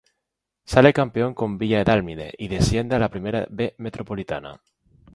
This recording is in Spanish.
Sale campeón con Villa Dálmine y asciende a la Primera B Metropolitana.